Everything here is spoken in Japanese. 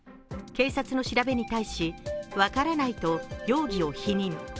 警察の調べに対し、分からないと容疑を否認。